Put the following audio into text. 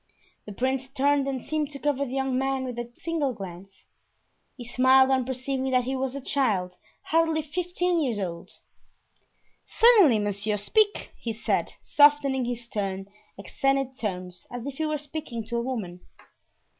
The prince turned and seemed to cover the young man with a single glance; he smiled on perceiving that he was a child hardly fifteen years old. "Certainly, monsieur, speak," he said, softening his stern, accented tones, as if he were speaking to a woman.